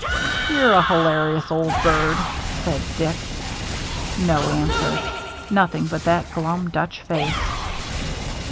" You're a hilarious old bird," said Dick. No answer — nothing but that glum Dutch face.